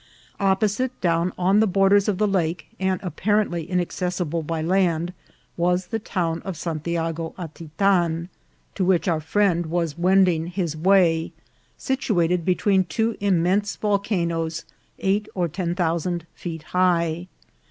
Opposite, down on the borders of the lake, and apparently inaccessible by land, was the town of Santiago Atitan, to which our friend was wend 14 158 INCIDENTS OF TRAVEL. ing his way, situated between two immense volcanoes eight or ten thousand feet high.